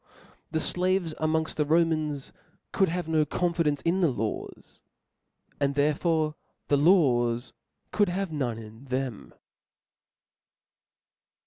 The avcs amongft the Romans could have no con fidence in the laws ; and therefore the laws could have none in them.